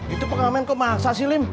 itu pengamen kok maksa sih lim